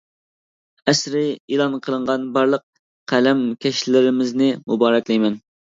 ئەسىرى ئېلان قىلىنغان بارلىق قەلەمكەشلىرىمىزنى مۇبارەكلەيمەن.